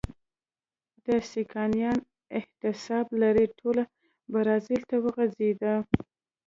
د سکانیا اعتصاب لړۍ ټول برازیل ته وغځېده.